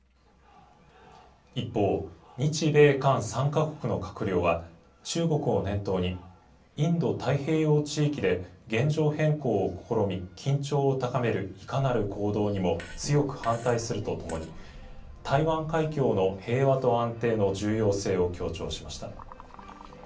３か国の閣僚は中国を念頭に、インド太平洋地域で現状変更を試み、緊張を高めるいかなる行動にも強く反対するとともに、台湾海峡の平和と安定の重要性を強調しました。